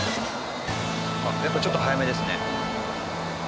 やっぱちょっと早めですね。